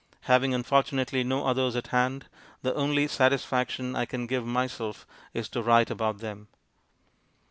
Having, unfortunately, no others at hand, the only satisfaction I can give myself is to write about them.